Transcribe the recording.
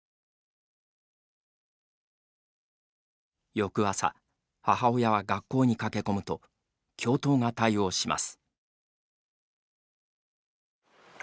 翌朝、母親は学校に駆け込むと教頭が対応します。